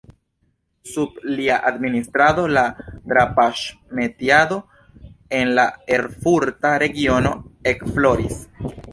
Sub lia administrado la drapaĵ-metiado en la erfurta regiono ekfloris.